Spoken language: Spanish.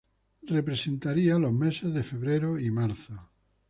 Representaría los meses de febrero y marzo.